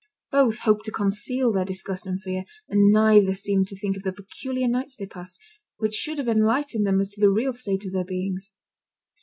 Both hoped to conceal their disgust and fear, and neither seemed to think of the peculiar nights they passed, which should have enlightened them as to the real state of their beings.